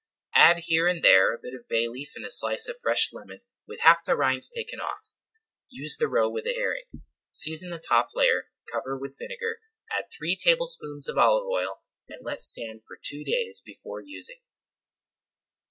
Add here and there a bit of bay leaf and a slice of fresh lemon with half the rind taken off. Use the roe with the herring. Season the top layer, cover with [Page 204] vinegar, add three tablespoonfuls of olive oil, and let stand for two days before using.